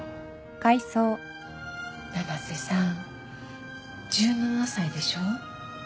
七瀬さん１７歳でしょ？